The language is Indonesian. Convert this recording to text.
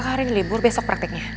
sabur besok prakteknya